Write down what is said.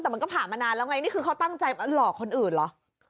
แต่มันก็ผ่านมานานแล้วไงนี่คือเขาตั้งใจหลอกคนอื่นเหรอ